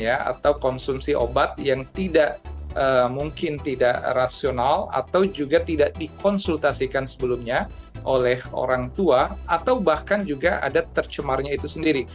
atau konsumsi obat yang tidak mungkin tidak rasional atau juga tidak dikonsultasikan sebelumnya oleh orang tua atau bahkan juga ada tercemarnya itu sendiri